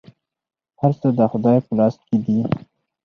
هر څه د خدای په لاس کې دي.